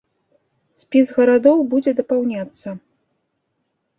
Спіс гарадоў будзе дапаўняцца.